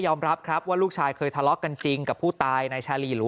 รับครับว่าลูกชายเคยทะเลาะกันจริงกับผู้ตายนายชาลีหรือ